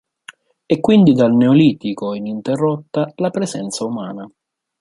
È quindi dal Neolitico ininterrotta la presenza umana.